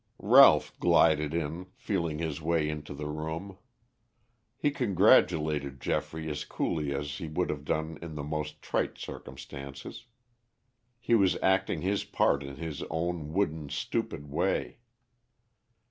Ralph glided in, feeling his way into the room. He congratulated Geoffrey as coolly as he would have done in the most trite circumstances. He was acting his part in his own wooden, stupid way.